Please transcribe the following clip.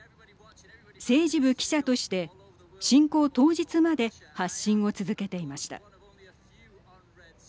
政治部記者として侵攻当日まで発信を続けていました。